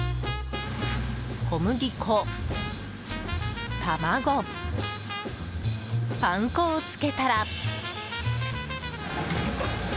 小麦粉、卵、パン粉をつけたら。